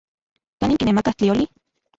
¿Kanin kinemakaj tlioli?